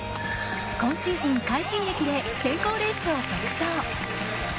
今シーズン快進撃で選考レースを独走。